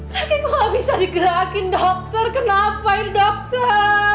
lagi aku gak bisa digerakin dokter kenapain dokter